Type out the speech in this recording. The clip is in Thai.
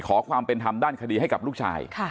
ขอความเป็นธรรมด้านคดีให้กับลูกชาย